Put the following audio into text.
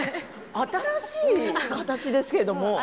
新しい形ですけれども。